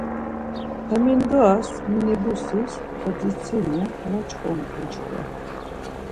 Hemindoras minibusis odzitsinu moç̌ǩodun çkva.